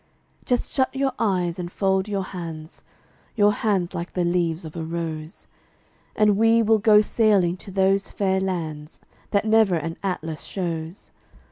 Just shut your eyes and fold your hands, Your hands like the leaves of a rose, And we will go sailing to those fair lands That never an atlas shows.